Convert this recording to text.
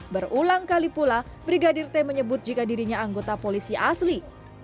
berulang kali pula brigadir t menyebut jika dirinya anggota polisi asli